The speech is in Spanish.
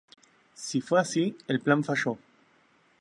Si fue así, el plan falló.